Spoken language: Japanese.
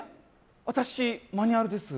私マニュアルです。